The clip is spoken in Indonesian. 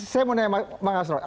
saya mau tanya pak mas bas